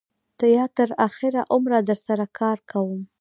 یا تر آخره عمره در سره کار کوم.